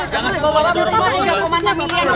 kasih jalan pak kasih simpatan pak